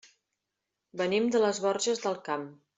Venim de les Borges del Camp.